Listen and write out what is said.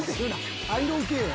アイロン・圭や。